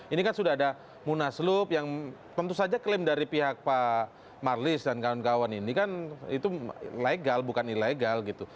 ini kan sudah ada munaslup yang tentu saja klaim dari pihak pak marlis dan kawan kawan ini kan itu legal bukan ilegal gitu